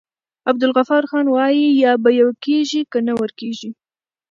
عبدالغفارخان وايي: یا به يو کيږي که نه ورکيږی.